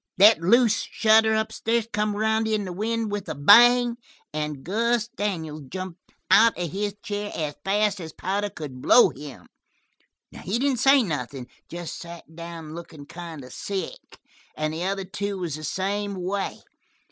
"That loose shutter upstairs come around in the wind with a bang and Buck Daniels comes out of his chair as fast as powder could blow him. He didn't say nothin'. Just sat down lookin' kind of sick, and the other two was the same way.